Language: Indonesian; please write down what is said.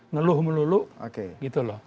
ngeluh meluluh gitu loh